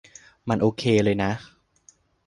มันโอเคเลยนะ